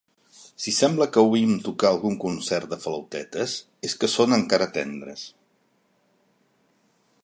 Si sembla que oïm tocar algun concert de flautetes, és que són encara tendres.